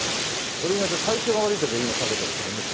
俺意外と体調が悪い時はいいの描けたりするんです。